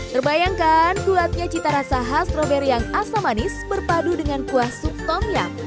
terbayangkan gulatnya cita rasa khas stroberi yang asam manis berpadu dengan kuah sup tongnya